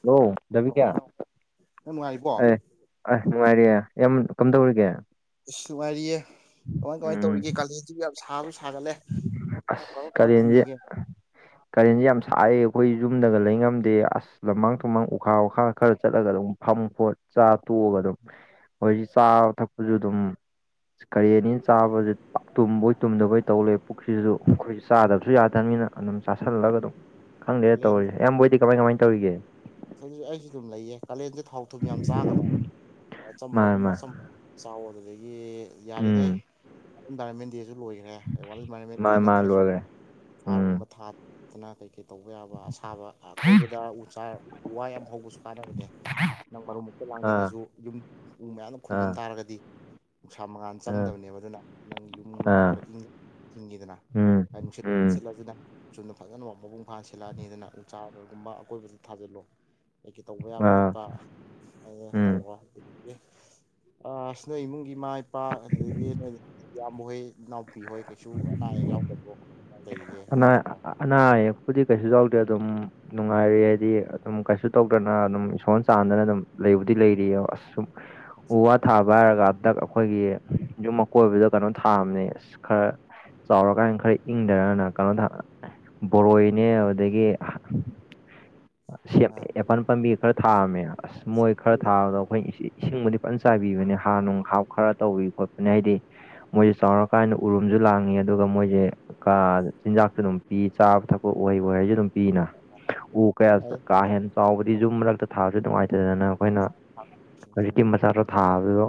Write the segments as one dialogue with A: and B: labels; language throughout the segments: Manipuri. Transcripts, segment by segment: A: ꯍꯜꯂꯣ ꯗꯥ
B: ꯑꯣ
A: ꯕꯤꯀꯦ
B: ꯏꯅꯥꯎ ꯅꯪ ꯅꯨꯡꯉꯥꯏꯔꯤꯕꯣ
A: ꯑꯩ ꯅꯨꯡꯉꯥꯏꯔꯤꯌꯦ ꯏꯌꯥꯝ ꯀꯝꯗꯧꯔꯤꯒꯦ
B: ꯑꯁ ꯅꯨꯡꯉꯥꯏꯔꯤꯌꯦ ꯀꯃꯥꯏ ꯀꯃꯥꯏꯟ
A: ꯎꯝ
B: ꯇꯧꯔꯤꯒꯦ ꯀꯥꯂꯦꯟꯁꯤꯕꯨ ꯌꯥꯝ ꯁꯥꯕꯁꯨ ꯁꯥꯒꯠꯂꯦ ꯑꯣ ꯀꯃꯥꯏꯟ ꯀꯃꯥꯏꯟ ꯍꯤꯡꯉꯤꯒꯦ
A: ꯀꯔꯦꯟꯖꯤ ꯌꯥꯝ ꯁꯥꯏꯌꯦ ꯑꯩꯈꯣꯏ ꯌꯨꯝꯗꯒ ꯂꯩꯉꯝꯗꯦ ꯑꯁ ꯂꯝꯃꯥꯡ ꯇꯨꯃꯥꯡ ꯎꯈꯥ ꯋꯥꯈꯥ ꯈꯔ ꯆꯠꯂꯒ ꯑꯗꯨꯝ ꯐꯝꯃꯤ ꯍꯣꯏ ꯆꯥ ꯇꯣꯑꯒ ꯑꯗꯨꯝ ꯑꯩꯈꯣꯏꯁꯤ ꯆꯥꯕ ꯊꯛꯄꯁꯨ ꯑꯗꯨꯝ ꯏꯁ ꯀꯔꯦꯟꯅꯤꯅ ꯆꯥꯕꯖꯦ ꯄꯛ ꯇꯨꯝꯕꯣꯏ ꯇꯨꯝꯗꯕꯣꯏ ꯇꯧ ꯂꯩ ꯄꯨꯛꯁꯤꯖꯨ ꯑꯈꯣꯏ ꯆꯥꯗꯕꯁꯨ ꯌꯥꯗꯕꯅꯤꯅ ꯑꯗꯨꯝ ꯆꯥꯥꯁꯜꯂꯒ ꯑꯗꯨꯝ ꯈꯪꯗꯦꯗ
B: ꯀꯥꯂꯦꯟ
A: ꯇꯧꯔꯤꯁꯦ ꯏꯌꯥꯝꯍꯣꯏꯗꯤ ꯀꯃꯥꯏ ꯀꯃꯥꯏ ꯇꯧꯔꯤꯒꯦ
B: ꯈꯩꯅꯤ ꯑꯩꯖꯨ ꯑꯗꯨꯝ ꯂꯩꯌꯦ ꯀꯥꯂꯦꯟꯖꯦ ꯊꯥꯎ ꯊꯨꯝ ꯌꯥꯝ ꯆꯥꯒꯅꯣ
A: ꯃꯥꯅꯦ
B: ꯑꯆꯝꯕꯒꯨꯝꯕ
A: ꯃꯥꯅꯦ
B: ꯁꯨꯝ ꯆꯥꯎꯋꯣ ꯑꯗꯨꯗꯒꯤ ꯌꯥꯔꯤꯉꯩ
A: ꯎꯝ
B: ꯏꯟꯚꯥꯏꯔꯣꯟꯃꯦꯟ ꯗꯦꯖꯨ ꯂꯣꯏꯒ ꯒ꯭ꯔꯦ ꯋꯥꯔꯜ ꯏꯟꯚꯥꯏꯔꯣꯟꯃꯦꯟ ꯗꯦ
A: ꯃꯥꯅꯦ ꯃꯥꯅꯦ
B: ꯅꯠꯇ꯭ꯔꯁꯨ
A: ꯂꯣꯏꯒ꯭ꯔꯦ ꯎꯝ
B: ꯑꯥꯔꯒꯨꯝꯕ ꯊꯥꯗꯅ ꯀꯩ ꯀꯩ ꯇꯧꯕ ꯌꯥꯕ ꯑꯁꯥꯕ ꯑꯀꯣꯏꯕꯗ ꯎ ꯆꯥꯔ ꯎ ꯋꯥ ꯌꯥꯝ ꯍꯧꯕꯁꯨ ꯀꯥꯅꯕꯅꯦ ꯅꯪ ꯃꯔꯨꯝ ꯃꯨꯛꯇ
A: ꯑꯥ
B: ꯂꯥꯡꯅꯤꯡꯉꯁꯨ ꯌꯨꯝ ꯎ ꯃꯌꯥꯝꯅ ꯈꯨꯝꯖꯤꯟ
A: ꯑꯥ
B: ꯇꯥꯔꯒꯗꯤ ꯅꯨꯡꯁꯥ ꯃꯉꯥꯟ
A: ꯑꯥ
B: ꯆꯪꯗꯕꯅꯦꯕ ꯑꯗꯨꯅ ꯅꯪ ꯌꯨꯝꯗꯣ
A: ꯑꯥ
B: ꯈꯔ ꯏꯪ ꯊꯤꯡꯉꯤꯗꯅ
A: ꯎꯝ
B: ꯍꯥꯏ ꯅꯨꯡꯁꯤꯠ
A: ꯎꯝ
B: ꯁꯤꯠꯂꯖꯨ ꯅꯪ ꯆꯨꯝꯅ ꯐꯖꯅ ꯃꯄꯨꯡ ꯐꯥꯅ ꯁꯤꯜꯂꯛꯑꯅꯤꯗꯅ ꯎ ꯆꯥꯔꯒꯨꯝꯕ ꯑꯀꯣꯏꯕꯗ ꯊꯥꯖꯤꯜꯂꯣ ꯀꯩ ꯀꯩ ꯇꯧꯕ ꯌꯥꯕ
A: ꯑꯥ
B: ꯈꯣꯠꯄ ꯑꯩꯌꯦ
A: ꯎꯝ
B: ꯇꯧꯔꯣ ꯑꯗꯨꯗꯒꯤ ꯑꯁ ꯅꯣꯏ ꯏꯃꯨꯡꯒꯤ ꯏꯃꯥ ꯏꯄꯥ ꯑꯗꯨꯗꯒꯤ ꯅꯣꯏ ꯏꯌꯥꯝꯕ ꯍꯣꯏ ꯏꯅꯥꯎꯄꯤ ꯍꯣꯏ ꯀꯩꯁꯨ
A: ꯑꯅꯥ
B: [unintelligible]
A: ꯑꯅꯥ ꯑꯌꯦꯛꯄꯨꯗꯤ ꯀꯩꯁꯨ ꯌꯥꯎꯗꯦ ꯑꯗꯨꯝ ꯅꯨꯡꯉꯥꯏꯔꯤ ꯍꯥꯏꯗꯤ ꯑꯗꯨꯝ ꯀꯩꯁꯨ ꯇꯧꯗꯅ ꯑꯗꯨꯝ ꯏꯁꯣꯔ ꯆꯥꯟꯗꯅ ꯑꯗꯨꯝ ꯂꯩꯕꯨꯗꯤ ꯂꯩꯔꯤꯌꯦꯕ ꯑꯁꯨꯝ ꯎ ꯋꯥ ꯊꯥꯕ ꯂꯥꯏꯔꯒ ꯍꯟꯗꯛ ꯑꯩꯈꯣꯏꯒꯤ ꯌꯨꯝ ꯑꯀꯣꯏꯕꯗ ꯀꯩꯅꯣ ꯊꯥꯝꯅꯦ ꯑꯁ ꯈꯔ ꯆꯥꯎꯔꯀꯥꯟ ꯈꯔ ꯏꯪꯗꯔꯅ ꯀꯩꯅꯣ ꯊ ꯕꯣꯔꯣꯏꯅꯦ ꯑꯗꯨꯗꯒꯤ ꯁꯦꯝꯃꯦꯄꯟ ꯄꯥꯝꯕꯤ ꯈꯔ ꯊꯥꯔꯝꯃꯦ ꯑꯁ ꯃꯣꯏ ꯈꯔ ꯊꯥꯕꯗ ꯑꯩꯈꯣꯏ ꯏꯁꯤꯡꯕꯨꯗꯤ ꯐꯖꯅ ꯆꯥꯏꯕꯤꯕꯅꯤ ꯍꯥ ꯅꯨꯡ ꯍꯥꯞ ꯈꯔ ꯇꯧꯕꯤ ꯈꯣꯠꯄꯅꯤ ꯍꯥꯏꯗꯤ ꯃꯣꯏꯁꯦ ꯆꯥꯎꯔꯀꯥꯟꯗ ꯎꯔꯨꯝꯁꯨ ꯂꯥꯡꯉꯤ ꯑꯗꯨꯒ ꯃꯣꯏꯁꯦ ꯀꯥ ꯆꯤꯟꯖꯥꯛꯇ ꯑꯗꯨꯝ ꯄꯤ ꯆꯥꯕ ꯊꯛꯄ ꯑꯣꯏ ꯑꯣꯏꯁꯨ ꯑꯗꯨꯝ ꯄꯤꯅ ꯎ ꯀꯌꯥ ꯀꯥ ꯍꯦꯟꯅ ꯆꯥꯎꯕꯗꯤ ꯌꯨꯝ ꯃꯔꯛꯇ ꯊꯥꯕꯁꯨ ꯅꯨꯡꯉꯥꯏꯇꯗꯅ ꯑꯩꯈꯣꯏꯅ
B: ꯑꯥ
A: ꯍꯧꯖꯤꯛꯀꯤ ꯃꯆꯥꯗꯣ ꯊꯥꯕꯗꯣ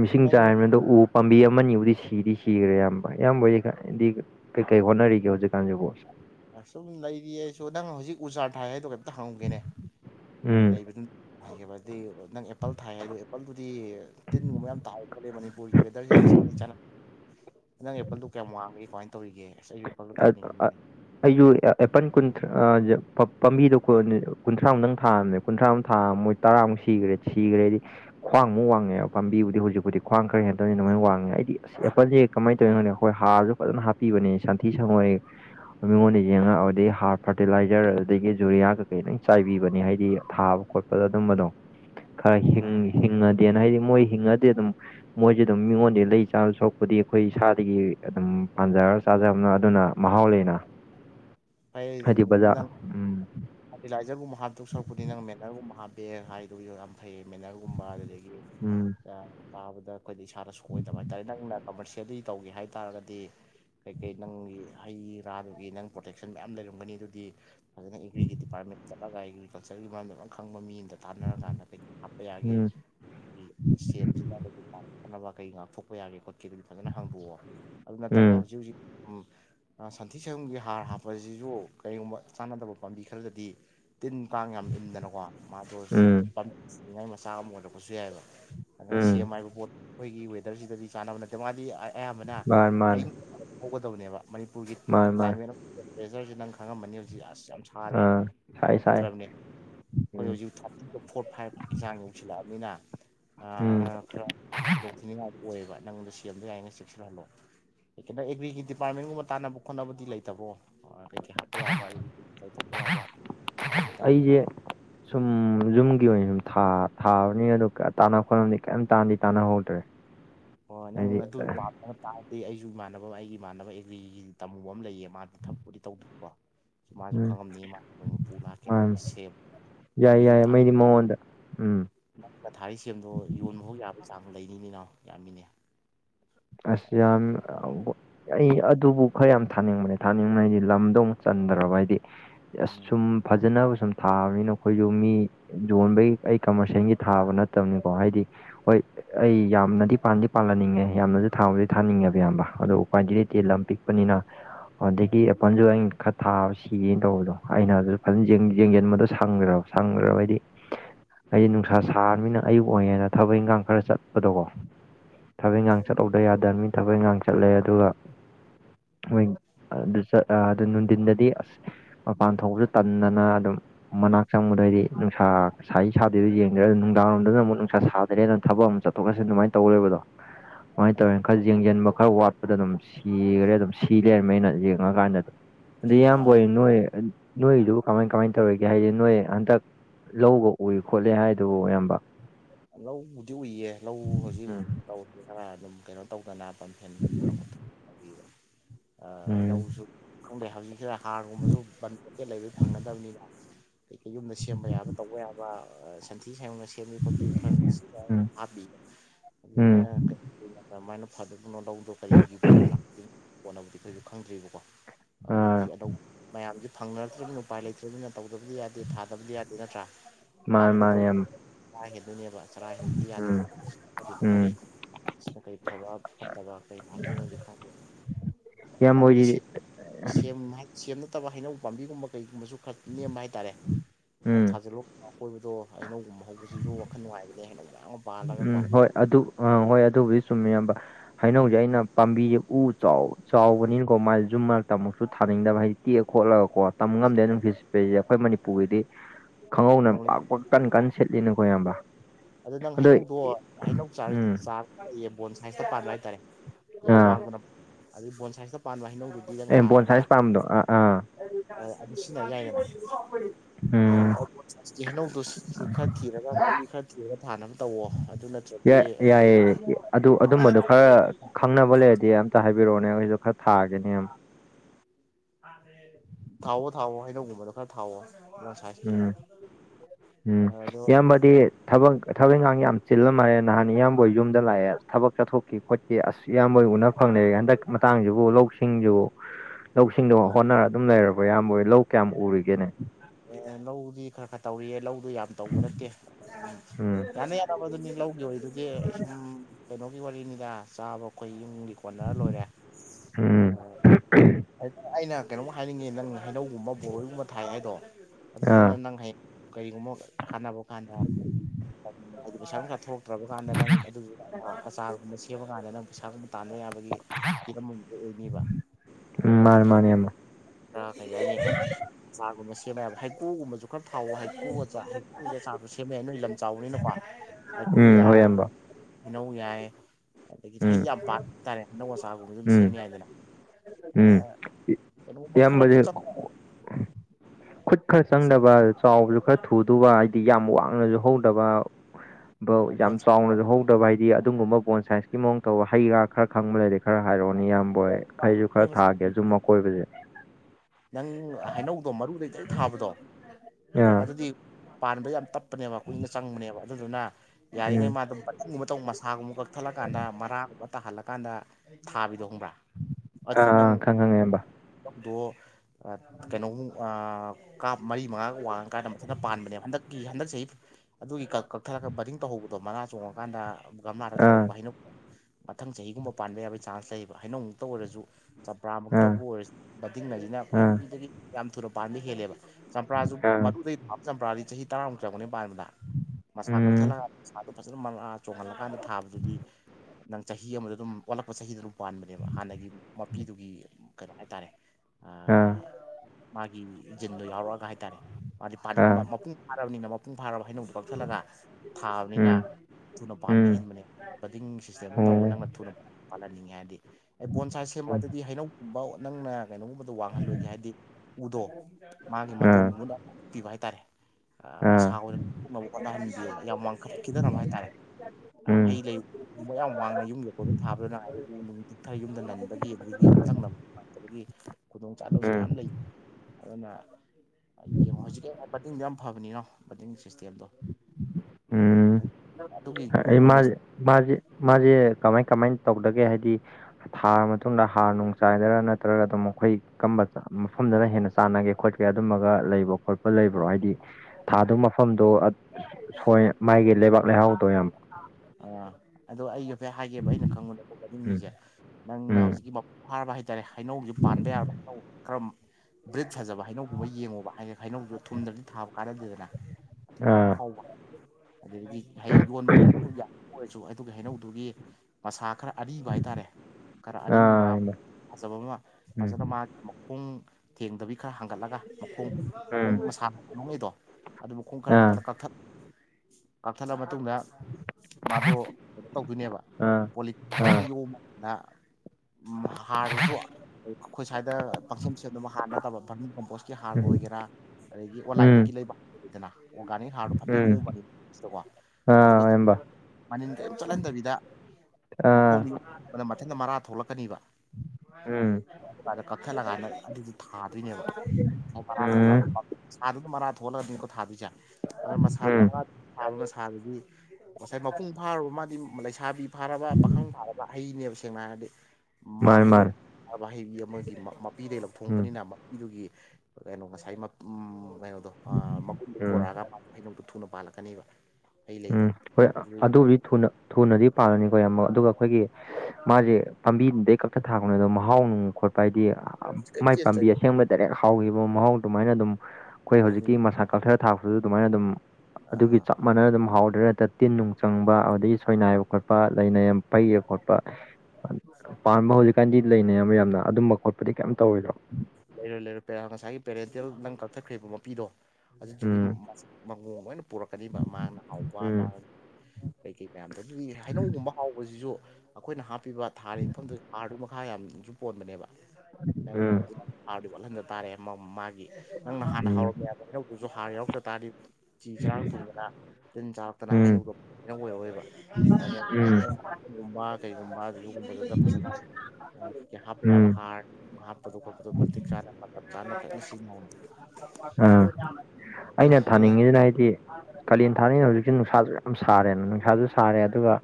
A: ꯃꯤꯁꯤꯡ
B: ꯅꯪ
A: ꯆꯥꯏꯅꯤꯗ ꯎ ꯄꯥꯝꯕꯤ ꯑꯃꯅꯤꯕꯨꯗꯤ ꯁꯤꯗꯤ ꯁꯤꯈ꯭ꯔꯦ ꯑꯌꯥꯝꯕ ꯑꯌꯥꯝꯕꯗꯤ ꯈꯗꯤ ꯀꯩ ꯀꯩ ꯍꯣꯠꯅꯔꯤꯒꯦ ꯍꯧꯖꯤꯛꯀꯥꯟꯁꯤꯕꯨꯣ
B: ꯑꯁꯨꯝ ꯂꯩꯔꯤꯌꯦ ꯑꯩꯁꯨ ꯅꯪ ꯍꯧꯖꯤꯛ ꯎꯖꯥꯔ ꯊꯥꯏ ꯍꯥꯏꯗꯣ ꯀꯩꯝꯇ ꯍꯪꯒꯦꯅꯦ
A: ꯎꯝ
B: ꯂꯩꯕꯗꯨꯅ ꯍꯥꯏꯕꯗꯤ ꯅꯪ ꯑꯦꯄꯜ ꯊꯥꯏ ꯍꯥꯏꯗꯤ ꯃꯜꯗꯨꯗꯤ ꯇꯤꯟꯒꯨꯝꯕ ꯌꯥꯝ ꯇꯥꯏ ꯈꯣꯠꯂꯦ ꯃꯅꯤꯄꯨꯔꯒꯤ ꯋꯦꯗꯔꯁꯤꯗ ꯆꯥꯅꯩ ꯆꯥꯟꯅ ꯅꯪ ꯑꯦꯄꯜꯗꯨ ꯀꯌꯥꯝ ꯋꯥꯡꯒꯦ ꯀꯃꯥꯏ ꯇꯧꯔꯤꯒꯦꯁ
A: ꯑ ꯑꯩꯁꯨ ꯑꯦꯄꯟ ꯄꯥꯝꯕꯤꯗꯣ ꯀꯨꯟꯊ꯭ꯔꯥꯃꯨꯛꯇꯪ ꯊꯥꯑꯕꯅꯦ ꯀꯨꯟꯊ꯭ꯔꯥꯃꯨꯛ ꯊꯥ ꯃꯣꯏ ꯇꯔꯥꯃꯨꯛ ꯁꯤꯈ꯭ꯔꯦ ꯁꯤꯈ꯭ꯔꯦꯗꯤ ꯈ꯭ꯋꯥꯡꯃꯨꯛꯡꯉꯦꯕ ꯄꯥꯝꯕꯨꯗꯤ ꯍꯧꯖꯤꯛꯄꯗꯤ꯭ꯋꯥꯡ ꯈꯔ ꯍꯦꯟꯇꯅꯤꯅ ꯃꯣꯏ ꯋꯥꯡꯉꯦ ꯑꯩꯗꯤ ꯑꯁꯦ ꯀꯃꯥꯏꯅ ꯇꯧꯔꯤꯤ ꯍꯥꯏꯣꯪꯣ ꯑꯩꯈꯣꯏ ꯍꯥꯔꯁꯨ ꯐꯖꯅ ꯍꯥꯞꯄꯤꯕꯅꯦ ꯁꯟꯊꯤ ꯁꯪꯣꯏ ꯃꯤꯉꯣꯟꯗ ꯌꯦꯡꯉꯛꯑꯕꯗꯤ ꯍꯥꯔꯠ ꯐꯔꯇꯤꯂꯥꯏꯖꯔ ꯑꯗꯒꯤ ꯖꯨꯔꯤꯌꯥ ꯀꯩꯀꯩ ꯂꯪ ꯆꯥꯏꯕꯤꯕꯅꯤ ꯍꯥꯏꯗꯤ ꯊꯥꯕ ꯈꯣꯠꯄ ꯑꯗꯨꯝꯕꯗꯣ ꯈꯔ
B: ꯑꯥ
A: ꯍꯤꯡꯉꯗꯤꯦꯅ ꯍꯥꯏꯗꯤ ꯃꯣꯏ ꯍꯤꯡꯉꯗꯤ ꯑꯗꯨꯝ ꯃꯣꯏꯁꯦ ꯑꯗꯨꯝ ꯃꯤꯉꯣꯟꯗ ꯂꯩ ꯆꯥ ꯁꯣꯛꯄꯗꯤ ꯑꯩꯈꯣꯏ ꯏꯁꯥꯗꯒꯤ ꯑꯗꯨꯝ ꯄꯥꯟꯖꯔ ꯆꯥꯖ ꯑꯗꯨꯅ ꯃꯍꯥꯎ ꯂꯩꯅ
B: ꯐꯩ ꯑꯗꯨ
A: ꯍꯥꯏꯗꯤ ꯕꯖꯥꯔ
B: ꯅꯪ
A: ꯎꯝ
B: ꯐꯔꯇꯤꯂꯥꯏꯖꯔꯒꯨꯝꯕ ꯍꯥꯞꯇꯧ ꯁꯔꯛꯄꯗꯤ ꯅꯪ ꯃꯦꯂꯔꯒꯕ ꯍꯥꯞꯄꯦ ꯍꯥꯏꯗꯧ ꯐꯩꯌꯦ ꯃꯦꯅꯔꯒꯨꯝꯕ ꯑꯗꯨꯗꯒꯤ
A: ꯎꯝ
B: ꯇꯥꯕꯗ ꯑꯩꯈꯣꯏꯗ ꯏꯁꯥꯅ ꯁꯣꯏꯗꯕ ꯍꯥꯏꯇꯥꯔꯦ ꯅꯪꯅ ꯀꯃꯔꯁꯑꯦꯜꯜꯂꯤ ꯇꯧꯒꯦ ꯍꯥꯏꯇꯥꯥꯔꯒꯗꯤ ꯀꯩꯀꯩ ꯅꯪꯒꯤ ꯑꯩ ꯔꯥꯗꯨꯒꯤ ꯅꯪ ꯄ꯭ꯔꯣꯇꯦꯛꯁꯟ ꯃꯌꯥꯝ ꯂꯩꯔꯝꯒꯅꯤ ꯑꯗꯨꯗꯤ ꯐꯖꯅ ꯏꯒ꯭ꯔꯤꯒꯤ ꯗꯤꯄꯥꯔꯠꯃꯦꯟꯇ ꯂꯒꯥꯏꯒꯤ ꯀꯜꯆꯔꯒꯤ ꯃꯔꯝꯗ ꯈꯪꯕ ꯃꯤ ꯑꯗ ꯇꯥꯟꯅꯔꯀꯥꯟꯗ ꯀꯩ ꯍꯥꯞꯄ ꯌꯥꯒꯦ
A: ꯎꯝ
B: ꯏꯁꯇꯁꯤ ꯀꯥꯟꯅꯅꯕ ꯀꯩ ꯉꯥꯛꯊꯣꯛꯄ ꯌꯥꯒꯦ ꯈꯣ ꯀꯦꯗꯨꯗꯤ ꯐꯖꯅ ꯍꯥꯡꯗꯣꯛꯑꯣ ꯑꯗꯨ ꯅꯠꯇꯕ
A: ꯎꯝ
B: ꯍꯧꯖꯤꯛ ꯍꯧꯖꯤꯛ ꯁꯟꯊꯤ ꯁꯪꯨꯝꯒꯤ ꯍꯥꯔ ꯍꯥꯞ ꯍꯧꯖꯤꯛꯁꯨ ꯀꯔꯤꯒꯨꯝꯕ ꯆꯥꯟꯅꯗꯕ ꯄꯥꯝꯕꯤ ꯈꯔꯗꯗꯤ ꯇꯤꯟ ꯇꯥꯡ ꯌꯥꯝ ꯏꯟꯗꯅꯀꯣ ꯃꯥꯗꯣ
A: ꯎꯝ
B: ꯄꯥꯝꯕꯤꯅꯤꯡꯉꯥꯏ ꯃꯆꯥꯛ ꯑꯃ ꯑꯣꯏꯔꯛꯄꯁꯨ ꯌꯥꯏꯑꯕ ꯑꯗꯨꯅ ꯁꯦꯝ
A: ꯎꯝ
B: ꯍꯥꯏꯕ ꯄꯣꯠ ꯑꯩꯈꯣꯏꯒꯤ ꯋꯦꯗꯔꯁꯤꯗꯗꯤ ꯆꯥꯅꯕ ꯅꯠꯇꯦ ꯃꯥꯗꯤ ꯑꯌꯥꯝꯕꯅ
A: ꯃꯥꯅꯤ
B: ꯑ
A: ꯃꯥꯅꯤ
B: ꯍꯧꯒꯗꯕꯅꯦꯕ ꯃꯅꯤꯄꯨꯔꯒꯤ
A: ꯃꯥꯅꯤ ꯃꯥꯅꯤ
B: ꯀ꯭ꯂꯥꯏꯃꯦꯠꯄ꯭ꯔꯦꯖꯔꯁꯤ ꯅꯪ ꯈꯪꯉꯝꯕꯅꯤ ꯍꯧꯖꯤꯛ ꯑꯁ ꯌꯥꯝ
A: ꯑꯥ ꯁꯥꯏ ꯁꯥꯏ
B: ꯁꯥꯔꯦꯗ꯭ꯔꯕꯅꯤ ꯑꯩꯈꯣꯏ
A: ꯎꯝ
B: ꯍꯧꯖꯤꯛ ꯊꯥꯔꯇꯤꯟꯗ ꯐꯣꯔ ꯐꯥꯏꯚꯀꯤ ꯆꯥꯡ ꯌꯧꯁꯤꯜꯂꯛꯑꯕꯅꯤꯅ
A: ꯎꯝ
B: ꯈꯔ ꯈꯨꯗꯣꯡ ꯊꯤꯅꯤꯡꯉꯥꯏ ꯑꯣꯏꯌꯦꯕ ꯅꯪꯗꯣ ꯁꯦꯝꯗ ꯌꯥ ꯍꯥꯏꯅ ꯆꯦꯛꯁꯤꯜꯍꯜꯂꯣ ꯀꯩꯅꯣ ꯑꯦꯒ꯭ꯔꯤ ꯗꯤꯄꯥꯔꯠꯃꯦꯟꯒꯨꯝꯕ ꯇꯥꯟꯅꯕ ꯈꯣꯠꯅꯕꯕꯨꯗꯤ ꯂꯩꯇꯕꯣ ꯀꯩꯀꯩ ꯍꯥꯞꯄ ꯌꯥꯕ ꯑꯗꯒꯤ ꯀꯧꯊꯣꯛꯄ ꯌꯥꯕ ꯃꯇꯝ ꯃꯇꯝꯒꯤ
A: ꯑꯩꯁꯦ ꯁꯨꯝ ꯌꯨꯝꯒꯤ ꯑꯣꯏꯅ ꯁꯨꯝ ꯊꯥꯕꯅꯤꯅ ꯑꯗꯨ ꯇꯥꯟꯅ ꯈꯣꯠꯅꯕꯗꯤ ꯀꯔꯤꯝ ꯇꯥꯟꯅꯗꯤ ꯇꯥꯟꯅꯍꯧꯗ꯭ꯔꯦ
B: ꯍꯣꯏꯣꯏ ꯅꯪ
A: ꯍꯥꯏꯗꯤ
B: ꯑꯗꯨ ꯄꯥꯝꯗꯕ ꯇꯥꯔꯗꯤ ꯑꯩꯁꯨ ꯏꯃꯥꯟꯅꯕ ꯑꯩꯒꯤ ꯏꯃꯥꯟꯅꯕ ꯑꯦꯒ꯭ꯔꯤꯒꯤ ꯇꯝꯃꯨꯕ ꯑꯃ ꯂꯩꯌꯦ ꯃꯥ ꯊꯕꯛꯄꯨꯗꯤ ꯇꯧꯗꯦꯀꯣ ꯃꯥꯁꯨ
A: ꯎꯝ
B: ꯈꯪꯉꯝꯅꯤ ꯃꯥ ꯑꯩꯣꯏ ꯃꯄꯨ ꯂꯥꯛꯀꯦ ꯁꯦꯝ
A: ꯌꯥꯏꯌꯦ ꯌꯥꯏꯌꯦ ꯃꯩꯗꯤ ꯃꯉꯣꯟꯗ ꯎꯝ
B: ꯀꯊꯥꯔꯤ ꯁꯦꯝꯗꯣ ꯌꯣꯟꯕꯐꯥꯎ ꯌꯥꯕ ꯆꯥꯡ ꯂꯩꯅꯤꯅꯤꯅꯎ ꯌꯥꯝꯃꯤꯅꯦ
A: ꯑꯁꯤꯌꯥꯝ ꯑꯩ ꯑꯗꯨꯕꯨ ꯈꯔ ꯌꯥꯝ ꯊꯥꯅꯤꯡꯕꯩ ꯊꯥꯅꯤꯡꯕ ꯍꯥꯏꯗꯤ ꯂꯝꯗꯧ ꯑꯃꯨꯛ ꯆꯟꯗ꯭ꯔꯕ ꯍꯥꯏꯗꯤ ꯑꯁ
B: ꯎꯝ
A: ꯁꯨꯝ ꯐꯖꯅꯕ ꯁꯨꯝ ꯊꯥꯕꯅꯤꯅ ꯑꯩꯈꯣꯏꯁꯨ ꯃꯤ ꯌꯣꯟꯕꯒꯤ ꯑꯩ ꯀꯃꯔꯁꯦꯜꯒꯤ ꯊꯥꯕ ꯅꯠꯇꯕꯅꯤꯀꯣ ꯍꯥꯏꯗꯤ ꯍꯣꯏ ꯑꯩ ꯌꯥꯝꯅꯗꯤ ꯄꯥꯟꯗꯤ ꯄꯥꯜꯍꯟꯅꯤꯡꯉꯦ ꯌꯥꯝꯅꯗꯤ ꯊꯥꯕꯗꯤ ꯊꯥꯅꯤꯡꯉꯦꯕ ꯑꯌꯥꯝꯕ ꯑꯗꯣ ꯀ꯭ꯋꯥꯟꯇꯤꯇꯤ ꯇꯦꯜ ꯑꯃ ꯄꯤꯛꯄꯅꯤꯅ ꯑꯣ ꯑꯗꯒꯤ ꯑꯦꯄꯜꯁꯨ ꯑꯩꯅ ꯈꯔ ꯊꯥꯕ ꯁꯤꯒꯦꯅ ꯇꯧꯕꯗꯣ ꯑꯩꯅ ꯑꯗꯨꯁꯨ ꯐꯖꯅ ꯌꯦꯡꯁꯤꯟꯕꯗꯣ ꯁꯪꯈ꯭ꯔꯕꯁꯨ ꯁꯪꯈ꯭ꯔꯕꯗꯤ
B: [unintelligible]
A: ꯑꯩꯗꯤ ꯅꯨꯡꯁꯥ ꯁꯥꯔꯕꯅꯤꯅ ꯑꯌꯨꯛ ꯑꯣꯏꯅ ꯊꯕꯛ ꯏꯟꯈꯥꯡ ꯈꯔ ꯆꯠꯄꯗꯣꯀꯣ ꯊꯕꯛ ꯏꯟꯈꯥꯡ ꯆꯠꯍꯧꯗ ꯌꯥꯗꯕ ꯃꯤ ꯊꯕꯛ ꯏꯟꯒꯥꯡ ꯆꯠꯂꯦ ꯑꯗꯨꯒ ꯃꯣꯏ ꯑꯗꯨ ꯑꯗꯨ ꯅꯨꯡꯊꯤꯟꯗꯗꯤ ꯑꯁ ꯃꯄꯥꯟ ꯊꯣꯛꯄꯁꯨ ꯇꯟꯗꯅ ꯑꯗꯨꯝ ꯃꯅꯥꯛ ꯆꯪꯕꯗꯩꯗꯤ ꯅꯨꯡꯁꯥ ꯁꯥꯏ ꯁꯥꯗꯦꯗꯣ ꯌꯦꯡꯗ꯭ꯔꯦ ꯑꯗꯨ ꯅꯨꯡꯗꯥꯡꯔꯣꯝꯗꯅ ꯑꯃꯨꯛ ꯅꯨꯡꯁꯥ ꯁꯥꯗ꯭ꯔꯦ ꯑꯗꯨꯅ ꯊꯕꯛ ꯑꯃꯨꯛ ꯆꯠ ꯑꯗꯨꯃꯥꯏ ꯇꯧꯔꯦꯕ ꯑꯗꯨꯝ ꯁꯨꯃꯥꯏꯅ
B: ꯎꯝ
A: ꯇꯧꯔꯦꯅ ꯈꯔ ꯌꯦꯡꯁꯤꯟꯕ ꯈꯔ ꯋꯥꯠꯄꯗ ꯑꯗꯨꯝ ꯁꯤꯈꯔꯦ ꯑꯗꯨꯝ ꯁꯤ ꯂꯩꯔꯝꯃꯦ ꯑꯩꯅ ꯌꯦꯡꯉꯀꯥꯟꯗ ꯑꯗꯨꯝ
B: ꯑ
A: ꯑꯗꯨ
B: ꯍꯣꯏ
A: ꯌꯥꯝꯕ
B: ꯑꯩ
A: ꯑꯣꯏ ꯅꯣꯏ ꯅꯣꯏꯗꯨꯕꯨ ꯀꯃꯥꯏ ꯀꯃꯥꯏꯅ ꯇꯧꯔꯤꯒꯦ ꯍꯥꯏꯗꯤ ꯅꯣꯏ ꯍꯟꯗꯛ ꯂꯧꯒ ꯎꯏ ꯈꯣꯠꯂꯦ ꯍꯥꯏꯗꯨꯕꯨ ꯏꯌꯥꯝꯕ
B: ꯂꯧꯕꯨꯗꯤ ꯎꯏꯌꯦ ꯂꯧ ꯍꯧꯖꯤꯛ
A: ꯎꯝ
B: ꯇꯗꯦ ꯈꯔ ꯑꯗꯨꯝ ꯀꯩꯅꯣ ꯇꯧꯗꯅ ꯄꯝꯐꯦꯟ ꯂꯤꯡꯗꯅ ꯈꯣꯠꯇꯅ
A: ꯎꯝ
B: ꯂꯧꯁꯨ ꯈꯪꯗꯦ ꯍꯧꯖꯤꯛꯁꯤꯗ ꯍꯥꯔꯒꯨꯝꯕꯁꯨ ꯕꯟ ꯂꯩꯕ ꯐꯪꯅꯗꯕꯅꯤꯅ ꯀꯩ ꯀꯩ ꯌꯨꯝꯗ ꯁꯦꯝꯕ ꯌꯥꯕ ꯇꯧꯕ ꯌꯥꯕ ꯁꯟꯊꯤ ꯁꯟꯌꯨꯡꯅ ꯁꯦꯝꯕꯤ ꯈꯣꯠꯄꯤꯗꯨ
A: ꯎꯝ
B: ꯑꯗꯨ
A: ꯎꯝ
B: ꯀ ꯀꯔꯤꯒꯤ ꯐꯤꯕꯝꯗ ꯂꯥꯛꯇꯧꯅꯣ ꯀꯔꯤꯁꯨ ꯈꯪꯗ꯭ꯔꯤꯕ ꯍꯧꯖꯤꯛ
A: ꯑꯥ
B: ꯍꯧꯖꯤꯛ ꯑꯗ ꯃꯌꯥꯝꯁꯤ ꯐꯪꯅꯔꯛꯇ꯭ꯔꯕ ꯎꯄꯥꯏ ꯂꯩꯇ꯭ꯔꯕꯅꯤꯅ ꯇꯧꯗꯕꯗꯤ ꯌꯥꯗꯦ ꯊꯥꯗꯕꯗꯤ ꯌꯥꯗꯦ ꯅꯠꯇ꯭ꯔꯥ
A: ꯃꯥꯅꯦ
B: ꯊꯥꯗꯗꯤ
A: ꯃꯥꯅꯦ
B: ꯇꯧꯗ
A: ꯏꯌꯥꯝꯕ
B: ꯆꯔꯥ ꯍꯦꯟꯗꯣꯏꯅꯦꯕ ꯆꯔꯥ ꯍꯦꯟꯗꯤ
A: ꯎꯝ
B: ꯌꯥꯗꯕ ꯍꯥꯏꯗꯤ
A: ꯎꯝ
B: ꯍꯣꯠꯅꯔꯤ ꯀꯩ ꯐꯕ ꯐꯠꯇ ꯇꯥꯕ ꯀꯩ
A: ꯏꯌꯥꯝꯕ ꯍꯣꯏꯗꯤ
B: ꯂꯪꯒꯤꯁꯤ ꯁꯦꯝ ꯅꯠꯇꯕ ꯍꯩꯅꯧ ꯄꯥꯝꯕꯤꯒꯨꯝꯕ ꯀꯩꯒꯨꯝꯕꯁꯨ ꯈꯔ ꯅꯦꯝꯕ ꯍꯥꯏꯇꯥꯔꯦ
A: ꯎꯝ
B: ꯊꯥꯖꯜꯂꯣ ꯑꯀꯣꯏꯕꯗꯣ ꯍꯩꯅꯧꯒꯨꯝꯕ ꯍꯧꯕꯁꯤꯁꯨ ꯋꯥꯈꯜ ꯅꯨꯡꯉꯥꯏꯕꯅꯦ ꯍꯥꯏꯗꯤ ꯃꯌꯥꯝ ꯄꯥꯜꯂꯒꯀꯣ
A: ꯎꯝ ꯍꯣꯏ ꯑꯗꯨ ꯑ ꯍꯣꯏ ꯑꯗꯨꯕꯨꯗꯤ ꯆꯨꯝꯃꯤ ꯏꯌꯥꯝꯕ ꯍꯩꯅꯩꯁꯦ ꯑꯩꯅ ꯄꯥꯝꯕꯤꯁꯦ ꯎ ꯆꯥꯎꯕꯅꯤꯅꯀꯣ ꯃꯥꯏ ꯌꯨꯝ ꯃꯔꯛꯇ ꯑꯃꯨꯛꯁꯨ ꯊꯥꯅꯤꯡꯗꯕ ꯍꯥꯏꯗꯤ ꯇꯦꯛꯑ ꯈꯣꯠꯂꯒꯀꯣ ꯇꯝ ꯉꯝꯗꯦ ꯅꯨꯡꯁꯤꯠ ꯁꯤꯠꯄꯁꯦ ꯑꯩꯈꯣꯏ ꯃꯅꯤꯄꯨꯔꯒꯤꯗꯤ ꯈꯪꯍꯧꯅ
B: ꯅꯣꯡꯂꯤꯡ
A: ꯄꯥꯛꯄ ꯀꯟ ꯀꯟ ꯁꯦꯠꯂꯤꯅꯀꯣ ꯏꯌꯥꯝꯕ
B: ꯑꯗꯨ ꯅꯪ
A: ꯑꯗꯣ
B: ꯍꯩꯅꯧꯗꯣ ꯍꯩꯅꯧ
A: ꯎꯝ
B: ꯕꯣꯟ ꯁꯥꯏꯁꯇ ꯄꯥꯟꯕ ꯍꯥꯏꯇꯥꯔꯦ ꯌꯥꯝ
A: ꯑꯥ
B: ꯋꯥꯡꯗꯅ ꯕꯣꯟ ꯁꯥꯏꯟꯁꯇ ꯄꯥꯟꯕ ꯍꯩꯅꯧꯗꯨꯗꯪ
A: ꯑꯦ ꯕꯣꯟ
B: ꯊꯥꯔꯒ
A: ꯁꯥꯏꯟꯁ ꯄꯥꯝꯕꯗꯣ ꯑꯥ ꯑꯥ
B: ꯑꯗꯨ ꯁꯤꯟꯅ ꯌꯥꯏꯗꯅ
A: ꯎꯝ
B: ꯍꯩꯅꯧꯗꯣ ꯈꯔ ꯊꯤꯔꯒ ꯂꯝꯕꯤ ꯈꯔ ꯊꯤꯔꯒ ꯊꯥꯅꯕ ꯇꯧꯋꯣ ꯑꯗꯨ ꯅꯠꯇ꯭ꯔꯗꯤ
A: ꯌꯥꯏꯌꯦ ꯑꯗꯨ ꯑꯗꯨꯝꯕꯗꯣ ꯈꯔ ꯈꯪꯅꯕ ꯂꯩꯔꯗꯤ ꯑꯝꯇ ꯍꯥꯏꯕꯤꯔꯛꯑꯣꯅꯦ ꯑꯩꯈꯣꯏꯁꯨ ꯈꯔ ꯊꯥꯒꯦꯅꯦ
B: ꯊꯥꯎꯋꯣ ꯊꯥꯎꯋꯣ ꯍꯩꯅꯧꯒꯨꯝꯕꯗꯣ ꯈꯔ ꯊꯥꯎꯋꯣ ꯕꯣꯟ ꯁꯥꯏꯖꯀꯤ
A: ꯎꯝ ꯎꯝ
B: ꯑꯗꯣ
A: ꯏꯌꯥꯝꯕꯗꯤ ꯊꯕꯛ ꯊꯕꯛ ꯏꯪꯈꯥꯡ ꯌꯥꯝ ꯆꯤꯜꯂ ꯃꯥꯜꯂꯦ ꯅꯍꯥꯟ ꯏꯌꯥꯝꯕ ꯌꯨꯝꯗ ꯂꯥꯛꯑꯦ ꯊꯕꯛ ꯆꯠꯊꯣꯛꯈꯤ ꯈꯣ ꯑꯁ ꯏꯌꯥꯝꯕ ꯎꯅ ꯐꯪꯗꯦ ꯍꯟꯗꯛ ꯃꯇꯥꯡꯁꯤꯕꯨ ꯂꯧꯁꯤꯡꯁꯤꯕꯨ ꯂꯧꯁꯤꯡꯗꯣ ꯍꯣꯠꯅꯔ ꯑꯗꯨꯝ ꯍꯣꯠꯅꯔ ꯂꯩꯔꯕ ꯑꯌꯥꯝꯕ ꯑꯣꯏ ꯂꯧ ꯀꯌꯥꯝ ꯎꯔꯤꯒꯦꯅꯦ
B: ꯂꯧꯗꯤ ꯈꯔ ꯈꯔ ꯇꯧꯔꯤꯌꯦ ꯂꯧꯗꯨ ꯌꯥꯝ ꯇꯧꯕ ꯅꯠꯇꯦ ꯎꯝ ꯌꯥꯅꯤ ꯆꯥꯕꯗꯨꯅꯤ ꯂꯧ ꯑꯣꯏ ꯑꯗꯨꯗꯤ ꯁꯨꯝ ꯀꯩꯅꯣꯒꯤ ꯋꯥꯔꯤꯅꯤꯗ ꯆꯥꯕ ꯑꯩꯈꯣꯏ ꯌꯨꯝꯒꯤ ꯀꯣꯟꯅꯔ ꯂꯣꯏꯔꯦ
A: ꯎꯝ
B: ꯍꯥꯏ ꯑꯩꯅ ꯀꯩꯅꯣꯝ ꯍꯥꯏꯅꯤꯡꯉꯦ ꯅꯪ ꯍꯩꯅꯧꯒꯨꯝꯕ ꯕꯣꯔꯣꯏꯒꯨꯝꯕ ꯊꯥꯏ ꯍꯥꯏꯗꯣ ꯑꯗꯨꯗꯨꯅ
A: ꯑꯥ
B: ꯅꯪ ꯍꯦꯛ ꯀꯔꯤꯒꯨꯝꯕ ꯀꯥꯟꯅꯕ ꯀꯥꯟꯗ ꯍꯥꯏꯗꯤ ꯄꯩꯁꯥ ꯅꯨꯡꯁꯥ ꯊꯣꯛꯇ꯭ꯔꯕ ꯀꯥꯟꯗ ꯅꯪ ꯑꯗꯨ ꯑꯆꯥꯔꯒꯨꯝꯕ ꯁꯦꯝꯕ ꯀꯥꯟꯗ ꯅꯪ ꯄꯩꯁꯥꯒꯨꯝꯕ ꯇꯥꯟꯕ ꯌꯥꯕꯒꯤ ꯍꯤꯔꯝ ꯑꯃ ꯑꯣꯏꯅꯤꯕ
A: ꯎꯝ ꯃꯥꯅꯦ ꯃꯥꯅꯦ ꯏꯌꯥꯝꯕ
B: ꯑꯆꯥꯔꯒꯨꯝꯕ ꯁꯦꯝꯕ ꯈꯔ ꯊꯥꯎꯕ ꯍꯩꯀꯨ ꯍꯩꯀꯨ ꯑꯆꯥꯔꯒꯨꯝꯕꯁꯨ ꯁꯦꯝꯃ ꯌꯥꯏꯅ ꯅꯣꯏ ꯂꯝ ꯆꯥꯎꯕꯅꯤꯅꯀꯣ
A: ꯎꯝ ꯍꯣꯏ ꯏꯌꯥꯝꯕ
B: ꯍꯅꯧ ꯌꯥꯏ ꯑꯗꯒꯤꯗꯤ ꯍꯩ
A: ꯎꯝ
B: ꯌꯥꯝ ꯄꯥꯟꯇꯥꯥꯔꯗꯤ ꯍꯩꯅꯧ ꯑꯆꯥꯔꯒꯨꯝꯕꯁꯨ ꯑꯗꯨꯝ
A: ꯎꯝ
B: ꯁꯦꯝ ꯌꯥꯏꯗꯅ
A: ꯎꯝ
B: ꯃꯈ ꯈꯔ ꯈꯨ
A: ꯏꯌꯥꯝꯕꯁꯦ
B: ꯆ
A: ꯈꯨꯠ ꯈꯔ ꯆꯪꯗꯕ ꯆꯥꯎꯕꯁꯨ ꯈꯔ ꯊꯨꯗꯕ ꯍꯥꯏꯗꯤ ꯌꯥꯝ ꯋꯥꯡꯅꯁꯨ ꯍꯧꯗꯕ ꯕꯧ ꯌꯥꯝꯅ
B: ꯕꯣꯟꯁꯥꯏꯗꯣ
A: ꯆꯥꯎꯅꯁꯨ ꯍꯧꯗꯕ ꯍꯥꯏꯗꯤ ꯑꯗꯨꯒꯨꯝꯕ ꯕꯣꯟ ꯁꯥꯏꯟꯁꯀꯤ ꯃꯑꯣꯡ ꯇꯧꯕ ꯍꯩꯒ ꯈꯔ ꯈꯪꯕ ꯂꯩꯔꯦ ꯈꯔ ꯍꯥꯏꯔꯛꯑꯣꯅꯤ ꯏꯕꯣꯏ ꯑꯩꯩꯁꯨ ꯈꯔ ꯊꯥꯒꯦ ꯑꯗꯨꯨꯝ ꯑꯀꯣꯏꯕꯁꯦ
B: ꯅꯪ ꯍꯥꯏꯩꯅꯧꯗꯣ ꯃꯔꯨꯗ ꯈꯤ ꯊꯥꯕꯗꯣ
A: ꯑꯥ
B: ꯑꯗꯨꯗꯤ ꯄꯥꯟꯕꯗ ꯌꯥꯝ ꯇꯞ ꯆꯄꯅꯦꯕ ꯀꯨꯏꯅ ꯆꯪꯕꯅꯦꯕ ꯑꯗꯨꯗꯨꯅ
A: ꯎꯝ ꯑꯥ
B: ꯌꯥꯔꯤꯉꯩ ꯃꯥ ꯑꯗꯨꯝ ꯏꯒꯨꯝꯕ ꯇꯧ ꯃꯁꯥꯒꯨꯝꯕ ꯀꯛꯊꯠꯂꯀꯥꯟꯗ ꯃꯔꯥꯒꯨꯝꯕ ꯇꯥꯍꯜꯂꯀꯥꯟꯗ ꯊꯥꯕꯤꯗꯧ ꯈꯪꯕ꯭ꯔꯥ ꯑꯁꯤ
A: ꯑꯥ ꯈꯪ ꯈꯪꯉꯦ ꯏꯌꯥꯝꯕ
B: ꯅꯪꯗꯣ ꯀꯩꯅꯣꯃꯨ ꯀꯥꯞ ꯃꯔꯤ ꯃꯉꯥꯒ ꯋꯥꯡꯉ ꯀꯥꯏꯗ ꯃꯊꯇ ꯄꯥꯟꯕꯅꯦꯕ ꯍꯟꯗꯛꯀꯤ ꯍꯟꯗꯛ ꯆꯍꯤ ꯑꯗꯨꯒꯤ ꯀ ꯀꯛꯊꯠꯂꯒ ꯕꯗꯤꯡ ꯇꯧꯍꯧꯕꯗꯣ ꯃꯅꯥ ꯆꯣꯡꯉꯀꯥꯟꯗ ꯒꯝꯂꯥꯗ
A: ꯑꯥ
B: ꯊꯥꯗꯣꯛꯄ ꯍꯩꯅꯨ ꯃꯊꯪ ꯆꯍꯤꯒꯨꯝꯕ ꯄꯥꯟꯕ ꯌꯥꯕꯒꯤ ꯆꯥꯟꯁ ꯂꯩꯌꯦꯕ ꯍꯥꯏꯅꯧ ꯇ ꯑꯣꯏꯔꯁꯨ
A: ꯑꯥ
B: ꯆꯝꯄ꯭ꯔꯥꯃꯨꯛꯇꯕꯨ ꯑꯣꯏꯔꯕꯗꯤꯤꯡꯅꯁꯤꯅ
A: ꯑꯥ
B: ꯑꯗꯨꯗꯤ ꯌꯥꯝ ꯊꯨꯅ ꯄꯥꯟꯕ ꯍꯦꯜꯂꯦꯕ ꯆꯝꯄ꯭ꯔꯥꯁꯨ
A: ꯑꯥ
B: ꯃꯔꯨꯗꯩ ꯊꯥꯕ ꯆꯝꯄ꯭ꯔꯥꯗꯤ ꯆꯍꯤ ꯇꯔꯥꯃꯨꯛ ꯆꯪꯄꯅꯤ ꯄꯥꯟꯕꯗ ꯃꯁꯥ
A: ꯎꯝ
B: ꯀꯛꯊꯠꯂꯀꯥꯟꯗ ꯃꯁꯥꯗꯣ ꯐꯖꯅ ꯃꯪꯉꯛꯑ ꯆꯣꯡꯍꯜꯂꯀꯥꯟꯗ ꯊꯥꯕꯗꯨꯗꯤ ꯅꯪ ꯆꯍꯤ ꯑꯃꯗ ꯑꯗꯨꯝ ꯑꯣꯜꯂꯛꯄ ꯆꯍꯤꯗ ꯑꯗꯨꯝ ꯄꯥꯟꯕꯅꯦꯕ ꯍꯥꯟꯅꯒꯤ ꯃꯄꯤꯗꯨꯒꯤ ꯀꯩꯅꯣ ꯍꯥꯏꯇꯥꯔꯦ
A: ꯑꯥ
B: ꯃꯥꯒꯤꯖꯤꯟꯗꯣ ꯌꯥꯎꯔꯛꯑꯒ ꯍꯥꯏꯇꯥꯔꯦ ꯃꯥꯗꯤ ꯄꯥ
A: ꯑꯥ
B: ꯃꯄꯨꯡ ꯐꯥꯔꯕꯅꯤꯅ ꯃꯄꯨꯡ ꯐꯥꯔꯕ ꯍꯥꯏꯅꯧ ꯀꯛꯊꯠꯂꯒ
A: ꯎꯝ
B: ꯊꯥꯕꯅꯤꯅ ꯊꯨꯅ ꯄꯥꯟꯕ
A: ꯎꯝ
B: ꯍꯦꯟꯕꯅꯤ ꯄꯕꯗꯤꯡ ꯁꯤꯁꯇꯦꯝꯗꯣ ꯇꯧꯕ
A: ꯑꯣ
B: ꯅꯪꯅ ꯊꯨꯅ ꯄꯥꯜꯍꯟꯅꯤꯡꯉꯦ ꯍꯥꯏꯔꯗꯤ ꯑꯩ ꯕꯣꯟꯁꯥꯏ ꯁꯦꯝꯕ ꯑꯗꯨꯗꯤ ꯍꯩꯅꯧ ꯕꯥꯥꯎ ꯅꯪꯅ ꯀꯩꯅꯣꯒꯨꯝꯕꯗꯣ ꯋꯥꯡꯍꯜꯂꯣꯏ ꯍꯥꯏꯗꯤ ꯎꯗꯣ ꯃꯥꯒꯤ
A: ꯑꯥ
B: ꯃꯇꯣꯟꯒꯗꯨꯗ ꯄꯤꯕ ꯍꯥꯏꯇꯥꯔꯦ ꯃꯁꯥ
A: ꯑꯥ
B: ꯑꯣꯏꯅ ꯀꯣꯛꯅꯕ ꯍꯣꯠꯅꯍꯟꯕꯤꯦꯅ ꯌꯥꯝ ꯋꯥꯡꯈꯠꯈꯤꯗꯅꯕ ꯍꯥꯏ ꯇꯥꯔꯦ ꯍꯩ
A: ꯎꯝ
B: ꯂꯩ ꯌꯕ ꯌꯥꯝ ꯋꯥꯡꯅ ꯌꯨꯝꯒꯤꯀꯣꯏꯗ ꯊꯥꯕꯗꯅ ꯑꯗꯒꯤꯃꯤ ꯄꯤꯛꯊꯔ ꯌꯨꯝꯗ ꯅꯟꯕꯒꯤ ꯑꯗꯒꯤ ꯌꯨꯝꯊꯪꯅꯕꯥꯏꯇꯒꯤ ꯆꯥꯗꯕꯁꯨ
A: ꯎꯝ
B: ꯌꯥꯝ ꯂꯩ ꯑꯗꯨꯅ ꯌꯦꯡꯉꯣ ꯍꯧꯖꯤꯛꯀꯤ ꯄꯇꯤꯡꯗꯣ ꯌꯥꯝ ꯐꯕꯅꯤꯅꯣ ꯕꯇꯤꯡ ꯁꯤꯁꯇꯦꯝꯗꯣ
A: ꯎꯝ
B: ꯑꯗꯨꯒꯤ
A: ꯏꯃ
B: ꯅꯣꯂꯦꯖ
A: ꯃꯥꯁꯦ ꯃꯥꯁꯦ ꯀꯃꯥꯏ ꯀꯃꯥꯏꯅ ꯇꯧꯗꯒꯦ ꯍꯥꯏꯗꯤ ꯊꯥꯔ ꯃꯇꯨꯡꯗ ꯍꯥꯔ ꯅꯨꯡ ꯆꯥꯏꯗꯔ ꯅꯠꯇ꯭ꯔꯒ ꯑꯗꯨꯝ ꯃꯈꯣꯏ ꯀꯔꯝꯕ ꯃꯐꯝꯗꯅ ꯍꯦꯟꯅ ꯆꯥꯟꯅꯒꯦ ꯈꯣꯠꯀꯦ ꯑꯗꯨꯃꯒ ꯂꯩꯕ ꯈꯣꯠꯄ
B: ꯑꯣ
A: ꯂꯩꯕ꯭ꯔꯣ ꯍꯥꯏꯗꯤ ꯊꯥꯗ ꯃꯐꯝꯗꯣ ꯁꯣꯏ ꯃꯥꯒꯤ ꯂꯩꯕꯥꯛ ꯂꯩꯍꯥꯎꯗꯣ ꯌꯥꯝ
B: ꯑꯥ ꯑꯗꯣ ꯑꯩꯁꯨ ꯍꯥꯏꯐꯦ ꯍꯥꯏꯒꯦꯕ ꯑꯩꯅ ꯈꯪꯕꯗ
A: ꯎꯝ
B: ꯍꯥꯏꯠꯅꯤꯡꯉꯤꯁꯦ ꯅꯪꯅ
A: ꯎꯝ
B: ꯍꯧꯖꯤꯛꯀꯤ ꯐꯥꯔꯕ ꯍꯥꯏꯇꯥꯔꯦ ꯍꯩꯅꯧꯁꯤ ꯄꯥꯟꯕ ꯌꯥꯔꯕꯧꯔ ꯕ꯭ꯔꯤꯠ ꯐꯖꯕ ꯍꯩꯅꯧꯒꯨꯝꯕ ꯌꯦꯡꯉꯣꯕ ꯍꯥꯏ ꯍꯩꯅꯧꯗꯨꯗꯣ ꯊꯨꯝꯗ꯭ꯔꯗꯤ ꯊꯥꯕ ꯀꯥꯟꯅꯗꯦꯗꯅ ꯑ ꯊꯨꯝꯕ
A: ꯑꯥ
B: ꯑꯍꯥꯎꯕ ꯑꯗꯨꯗꯒꯤ ꯍꯌꯦꯡ ꯌꯣꯟꯕ ꯄꯖꯥ ꯑꯣꯏꯔꯁꯨ ꯑꯗꯨꯒꯒꯤ ꯍꯩꯅꯧꯗꯨꯒꯤ ꯃꯁꯥ ꯈꯔ ꯑꯔꯤꯕ ꯍꯥꯏꯇꯥꯔꯦ ꯈꯔ ꯑꯅꯤꯡꯕ
A: ꯑꯥ
B: ꯐꯖꯕ ꯑꯃ
A: ꯎꯝ
B: ꯐꯖꯅ ꯃꯥ ꯃꯈꯣꯡ ꯊꯦꯡꯗꯕꯤ ꯈꯔ ꯍꯥꯡꯒꯠꯂꯒ ꯃꯈꯣꯡ ꯃꯈꯣꯡ
A: ꯎꯝ
B: ꯃꯁꯥ ꯅꯣꯡꯉꯩꯗꯣ ꯑꯗꯨ ꯃꯈꯣꯡ ꯈꯔ
A: ꯑꯥ
B: ꯍꯥꯡꯒꯠꯂꯒ ꯀꯛ ꯀꯥꯞꯊ ꯀꯥꯞꯊꯠꯂ ꯃꯇꯨꯡꯗ ꯃꯥꯗꯣꯣ ꯇꯧꯗꯣꯏꯅꯦꯕ
A: ꯑꯥ
B: ꯄꯣꯂꯤꯇꯤꯟ ꯇꯧꯔꯒ
A: ꯑꯥ
B: ꯌꯣꯗ ꯃꯍ ꯍꯥꯔ ꯌ ꯑꯩꯈꯣꯏ ꯁ꯭ꯋꯥꯏꯗ ꯄꯪꯁꯝ ꯁꯦꯝꯕ ꯍꯥꯔ ꯅꯠꯇꯕ ꯄꯪꯁꯝ ꯀꯝꯄꯣꯁꯀꯤ ꯍꯥꯔꯒ ꯑꯣꯏꯒꯦꯔꯥ ꯑꯗꯒꯤ
A: ꯎꯝ
B: ꯑꯣꯟꯂꯥꯏꯟꯗꯒꯤ ꯂꯩꯕꯗꯅ ꯑꯣꯔꯒꯥꯅꯤꯛ ꯍꯥꯔꯗꯣ ꯐꯖꯅ
A: ꯎꯝ
B: ꯌꯣꯕꯅꯤ ꯁꯤꯗꯀꯣ
A: ꯑꯥ
B: ꯑꯗꯨꯒ
A: ꯑꯌꯥꯝꯕ
B: ꯃꯅꯤꯟ ꯀꯔꯤꯝ ꯆꯠꯍꯟꯗꯕꯤꯗ
A: ꯑꯥ
B: ꯃꯈꯣꯡ ꯌꯣꯗ ꯃꯊꯟꯇ ꯃꯔꯥ ꯊꯣꯛꯂꯛꯀꯅꯤꯕ
A: ꯎꯝ
B: ꯗ ꯀꯛꯊꯠꯂꯀꯥꯟꯗ ꯑꯗꯨꯗꯤ ꯊꯥꯗꯣꯏꯅꯦꯕ ꯅ ꯃꯔꯥ
A: ꯎꯝ
B: ꯊꯣꯛꯂꯛꯑꯕ ꯁꯥꯗꯨꯅ ꯃꯔꯥ ꯊꯣꯛꯂꯒꯅꯤꯀꯣ ꯊꯥꯗꯣꯏꯁꯥꯠ ꯑꯗꯨ ꯃꯁꯥꯗꯨ
A: ꯎꯝ
B: ꯇ ꯊꯕꯅꯁꯥꯗꯨꯗꯤ ꯉꯁꯥꯏ ꯃꯄꯨꯡ ꯐꯥꯔꯨꯕ ꯃꯥꯗꯤ ꯂꯩꯁꯥꯕꯤ ꯐꯥꯔꯕ ꯄꯥꯈꯪ ꯐꯥꯔꯕ ꯍꯩꯅꯦꯕ ꯁꯦꯡꯅ ꯍꯥꯏꯔꯒꯗꯤ ꯃꯥ
A: ꯃꯥꯅꯤ
B: ꯍꯩꯅꯧ
A: ꯃꯥꯅꯤ
B: ꯐꯕ ꯍꯩꯕꯤ ꯑꯃꯒꯤ ꯃꯄꯤꯗꯒꯤ
A: ꯎꯝ
B: ꯂꯧꯊꯣꯛꯕꯅꯤꯅ ꯃꯄꯤꯗꯨꯒꯤ ꯀꯩꯅꯣ ꯉꯁꯥꯏ ꯀꯩꯅꯣꯗꯣ ꯃꯒꯨꯟꯗꯣ
A: ꯎꯝ
B: ꯄꯣꯔꯛꯑꯒ ꯍꯩꯅꯣꯛꯗꯣ ꯊꯨꯅ ꯄꯥꯜꯂꯛ ꯀꯥꯅꯦꯕ ꯍꯩ ꯂꯩꯗꯣ
A: ꯎꯝ ꯍꯣꯏ ꯑꯗꯨꯕꯨꯗꯤ ꯊꯨꯅ ꯊꯨꯅꯗꯤ ꯄꯥꯜꯂꯅꯤꯀꯣ ꯌꯥꯝ ꯑꯗꯨꯒ ꯑꯩꯈꯣꯏꯒꯤ ꯃꯥꯖꯦ ꯄꯥꯝꯕꯤꯗꯨꯗꯩ ꯀꯛꯊꯥ ꯊꯥꯕꯅꯦ ꯑꯗꯣ ꯃꯍꯥꯎ ꯅꯨꯡ ꯈꯣꯠꯄ ꯍꯥꯏꯗꯤ
B: ꯀꯔꯤꯝ
A: ꯃꯥꯏ
B: ꯆꯦꯟꯖ
A: ꯄꯥꯝꯕꯤ ꯑꯁꯦꯡꯕ ꯗꯥꯏꯔꯦꯛ ꯍꯥꯎꯈꯤꯕ ꯃꯍꯥꯎ ꯑꯗꯨꯃꯥꯏꯅ ꯑꯗꯨꯝ ꯑꯩꯈꯣꯏ
B: ꯂꯩ
A: ꯍꯧꯖꯤꯛꯀꯤ ꯃꯁꯥ ꯀꯛꯊꯠꯂ ꯊꯥꯛꯄꯗꯨꯁꯨ ꯑꯗꯨꯃꯥꯏꯅ ꯑꯗꯨꯝ ꯑꯗꯨꯒꯤ ꯆꯞ ꯃꯥꯟꯅꯅ ꯑꯗꯨꯝ ꯐꯥꯎꯗꯔꯠꯇ ꯇꯤꯟ ꯅꯨꯡ ꯆꯪꯕ ꯑꯗꯒꯤ ꯁꯣꯏꯅꯥꯏꯕ ꯈꯣꯠꯄ ꯂꯩꯅ ꯌꯥꯝ ꯄꯩꯌꯦ ꯈꯣꯠꯄ ꯄꯥꯟꯕ ꯍꯧꯖꯤꯛꯀꯥꯟꯗꯤ ꯂꯩꯅꯩ ꯌꯥꯝꯕ ꯌꯥꯝꯅ ꯑꯗꯨꯝꯕ ꯈꯣꯠꯄꯗꯤ ꯀꯩꯝ ꯇꯧꯔꯣꯏꯗ꯭ꯔꯣ
B: ꯂꯩꯔꯣꯏ ꯂꯩꯔꯣ ꯄꯦꯔ ꯉꯁꯥꯏꯒꯤ ꯄꯦꯔꯦꯟꯇꯦꯜ ꯅꯪ ꯀꯛꯊꯈ꯭ꯔꯤꯕ ꯃꯄꯤꯗꯣ ꯑꯗꯨꯗꯨꯒꯤ
A: ꯎꯝ
B: ꯃꯑꯣꯡ ꯂꯣꯏꯅ ꯄꯨꯔꯛꯀꯅꯤꯕ ꯃꯥꯅ ꯍꯥꯎꯕ ꯃꯥ
A: ꯎꯝ
B: ꯀꯩꯀꯩ ꯃꯌꯥꯝꯗꯣ ꯑꯗꯨꯒꯤ ꯍꯩꯅꯧꯒꯨꯝꯕ ꯍꯥꯎꯕꯁꯤꯁꯨ ꯑꯩꯈꯣꯏꯅ ꯍꯥꯞꯄꯤꯕ ꯊꯥꯔꯤ ꯃꯐꯝꯗꯨ ꯍꯥꯔꯗꯨ ꯃꯈꯥ ꯌꯥꯝꯁꯨ ꯄꯣꯟꯕꯅꯦꯕ
A: ꯎꯝ
B: ꯍꯥꯔꯗꯤ ꯋꯥꯠꯍꯟꯗ ꯇꯥꯔꯦ ꯃꯥꯒꯤ ꯅꯪꯅ ꯍꯥꯟꯅ ꯍꯥꯎꯔꯝꯃꯦꯕ ꯍꯩꯅꯧꯗꯨꯖꯨ ꯍꯥꯔ ꯌꯥꯎꯔꯛꯇ ꯇꯥꯔꯗꯤ ꯆꯤ ꯆꯔꯥꯡ ꯊꯣꯡꯗꯅ ꯇꯤꯟ ꯆꯥꯔꯛꯇꯅ
A: ꯎꯝ ꯎꯝ
B: ꯍꯩꯅꯧꯗꯣ ꯑꯩꯅꯧꯕ ꯌꯥꯎꯋꯦꯕ
A: ꯎꯝ
B: ꯑꯗꯨꯅ ꯒꯨꯝꯕ ꯀꯩꯒꯨꯝꯕ ꯑꯗꯨꯒꯒꯨꯝꯕꯗꯨꯗ ꯐꯖꯅ ꯍꯥꯞꯄ ꯌꯥꯕ
A: ꯎꯝ
B: ꯍꯥꯔ ꯍꯥ ꯄꯗꯣ ꯈꯣꯠꯄꯗꯣ ꯃꯇꯤꯛ ꯆꯥꯅ ꯃꯇꯝ ꯆꯥꯅ ꯐꯖꯅ ꯁꯤꯖꯤꯟꯅꯧ
A: ꯑꯥ
B: ꯑꯗꯨ
A: ꯑꯩꯅ ꯊꯥꯅꯤꯡꯉꯤꯁꯤꯅ ꯍꯥꯏꯗꯤ ꯀꯥꯂꯦꯟ ꯊꯥꯅꯤꯅ ꯍꯧꯖꯤꯛꯁꯨ ꯅꯨꯡꯁꯥꯁꯨ ꯌꯥꯝ ꯁꯥꯔꯦꯅ ꯅꯨꯡꯁꯥꯁꯨ ꯁꯥꯔꯦ ꯑꯗꯨꯒ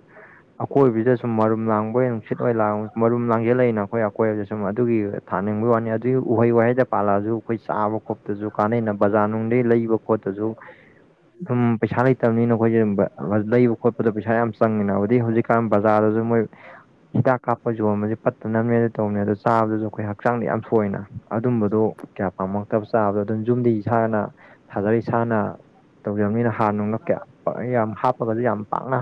A: ꯑꯀꯣꯏꯕꯤꯗ ꯁꯨꯝ ꯃꯔꯨꯝ ꯂꯥꯡꯕ ꯑꯣꯏꯅ ꯅꯨꯡꯁꯤꯠ ꯑꯣꯏ ꯂꯥ ꯃꯔꯨꯝ ꯂꯥꯡꯖꯦꯜꯂꯩꯅ ꯑꯩꯈꯣꯏ ꯑꯀꯣꯏꯕꯗ ꯁꯨꯝ ꯑꯗꯨꯒꯤ ꯊꯥꯅꯤꯡꯕꯒꯤ ꯋꯥꯅꯤ ꯑꯗꯨꯒꯤ ꯎꯍꯩ ꯋꯥꯍꯩꯗ ꯄꯥꯜꯂꯛꯑꯁꯨ ꯑꯩꯈꯣꯏ ꯆꯥꯕ ꯈꯣꯄꯇꯁꯨ ꯀꯥꯟꯅꯩꯅ ꯕꯖꯥꯔ ꯅꯨꯡꯗꯩ ꯂꯩꯕ ꯈꯣꯠꯇꯁꯨ ꯁꯨꯝ ꯄꯩꯁꯥ ꯂꯩꯇꯕꯅꯤ ꯅ ꯑꯩꯈꯣꯏꯖꯦ ꯑꯗꯨꯕ ꯂꯩꯕ ꯈꯣꯠꯄꯗ ꯄꯩꯁꯥ ꯌꯥꯝ ꯆꯪꯉꯤꯅ ꯑꯥꯗꯨꯗꯩ ꯍꯧꯖꯤꯛ [unintelligible] ꯕꯖꯥꯔꯗꯁꯨ ꯃꯣꯏ ꯍꯤꯗꯥꯛ ꯀꯥꯞꯄ ꯌꯣꯟꯕꯖꯤ ꯄꯠꯇꯅꯕꯅꯦꯅ ꯇꯧꯅꯦ ꯑꯗꯣ ꯆꯥꯕꯗꯨꯖꯨ ꯑꯩꯈꯣꯏ ꯍꯛꯆꯥꯡꯗꯤ ꯌꯥꯝ ꯁꯣꯛꯄ ꯑꯣꯏꯅ ꯑꯗꯨꯝꯕꯗꯣ ꯀꯌꯥ ꯄꯥꯝꯃꯛꯇꯕ ꯆꯥꯕꯗꯣ ꯑꯗꯨꯝ ꯌꯨꯝꯗꯩ ꯏꯁꯥꯅ ꯊꯥꯖꯔ ꯏꯁꯥꯅ ꯇꯧꯖꯕꯅꯤꯅ ꯍꯥꯥꯔ ꯅꯨꯡꯅ ꯀꯌꯥ ꯌꯥꯝ ꯍꯥꯞꯄꯒꯖꯨ ꯌꯥꯝ ꯄꯥꯛꯅ